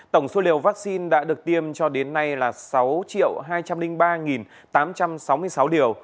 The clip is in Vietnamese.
tổng số liều vaccine đã được tiêm cho đến nay là sáu hai trăm linh ba tám trăm sáu mươi sáu điều